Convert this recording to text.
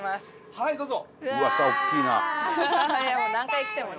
はいどうぞ。